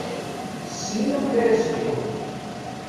Ssnen amek ara s-lḥun.